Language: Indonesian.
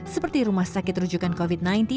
seperti rumah sakit rujukan covid sembilan belas